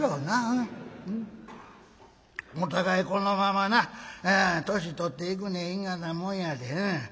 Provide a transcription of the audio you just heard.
お互いこのままな年取っていくねん因果なもんやで。